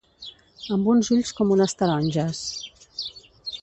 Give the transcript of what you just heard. Amb uns ulls com unes taronges.